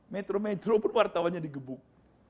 metro metro pun wartawannya di gebuk